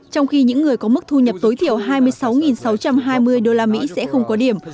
trong khi những người có mức thu nhập tối thiểu hai mươi sáu sáu trăm hai mươi usd sẽ không có điểm